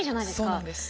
そうなんです。